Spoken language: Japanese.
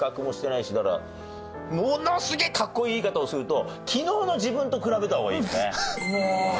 だからものすげえかっこいい言い方をすると昨日の自分と比べた方がいいよね。